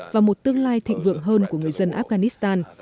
và một tương lai thịnh vượng hơn của người dân afghanistan